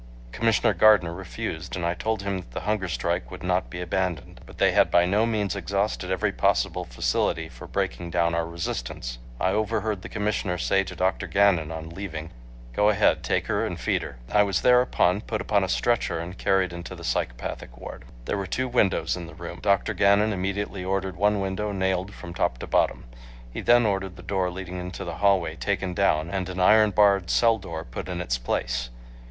Commissioner Gardner refused, and I told him that the hunger strike would not be abandoned. But they had by no means exhausted every possible facility for breaking down our resistance. I overheard the Commissioner say to Dr. Gannon on leaving, "Go ahead, take her and feed her." I was thereupon put upon a stretcher and carried into the psychopathic ward. There were two windows in the room. Dr. Gannon immediately ordered one window nailed from top to bottom. He then ordered the door leading into the hallway taken down and an iron barred cell door put in its place.